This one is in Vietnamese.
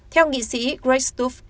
theo nghị sĩ greg stoof